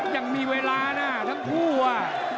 ยังมีเวลานะทั้งคู่อ่ะ